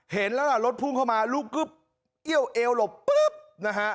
เห็นแล้วล่ะรถพุ่งเข้ามาลูกกึ๊บเอี้ยวเอวหลบปุ๊บนะฮะ